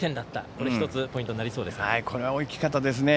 これが１つポイントになりそうですか。